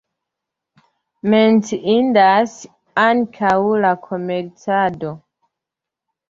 Menciindas ankaŭ la komercado.